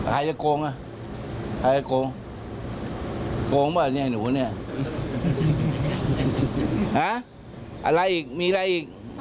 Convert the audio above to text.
ใครจะโกงอ่ะใครจะโกงโกงป่ะเนี่ยหนูเนี่ยฮะอะไรอีกมีอะไรอีก